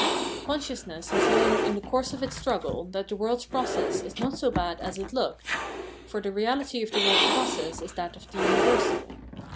Consciousness has learned in the course of its struggle that the world's process is not so bad as it looked ; for the reality of the world's process is that of the universal.